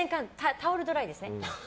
タオルドライですね。